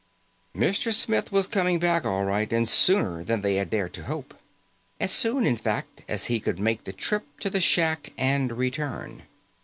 Mr. Smith was coming back all right, and sooner than they had dared to hope. As soon in fact, as he could make the trip to the shack and return.